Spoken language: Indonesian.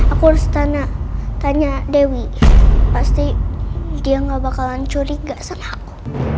aku harus tanya tanya dewi pasti dia gak bakalan curiga sama aku